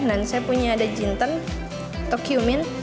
dan saya punya ada jinten atau cumin